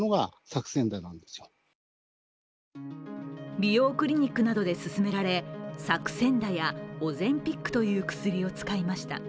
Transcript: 美容クリニックなどで薦められ、サクセンダやオゼンピックという薬を使いました。